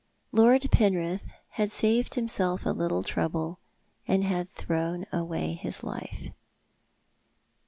Lord Penrith had saved himself a little trouble, and had thrown away his life.